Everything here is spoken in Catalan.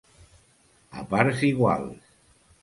A parts iguals.